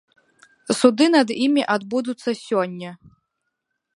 Суды над імі адбудуцца сёння.